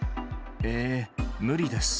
えー、無理です。